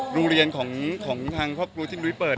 โรงเรียนของทางครอบครัวที่นุ้ยเปิด